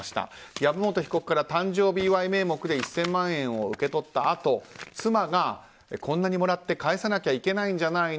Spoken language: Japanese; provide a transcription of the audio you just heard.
籔本被告から誕生日祝い名目で１０００万円を受け取ったあと妻が、こんなにもらって返さなきゃいけないんじゃないの？